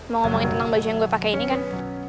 mau ngomongin tentang baju yang gue pakai ini kan